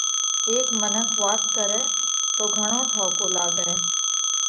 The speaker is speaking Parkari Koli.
هيڪ منک وات ڪرئه تو گھڻو ٺائُوڪو لاڳئه